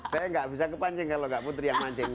saya gak bisa ke pancing kalau gak putri yang pancing